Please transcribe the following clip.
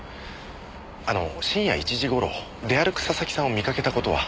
あの深夜１時頃出歩く佐々木さんを見かけた事は。